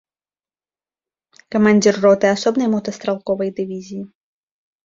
Камандзір роты асобнай мотастралковай дывізіі.